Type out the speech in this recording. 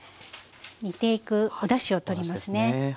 煮ていくおだしをとりますね。